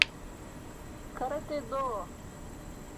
Каратэ-до!